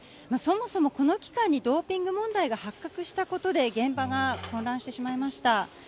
そもそも、この期間にドーピング問題が発覚したことで、現場が混乱してしまいました。